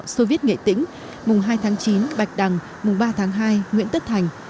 xô viết nghệ tĩnh mùng hai tháng chín bạch đằng mùng ba tháng hai nguyễn tất thành